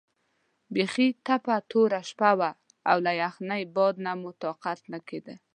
بیخي تپه توره شپه وه او له یخنۍ باد نه مو طاقت نه کېده.